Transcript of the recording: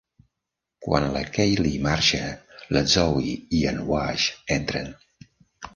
Quan la Kaylee marxa, la Zoe i en Wash entren.